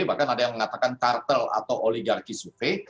bahkan ada yang mengatakan kartel atau oligarki survei